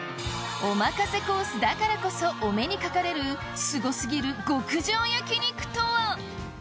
お任せコースだからこそお目にかかれるすご過ぎる極上焼肉とは？